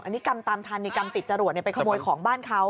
อันนี้กรรมตามทานิกรรมติดจรวดเนี้ยเป็นขโมยของบ้านเขา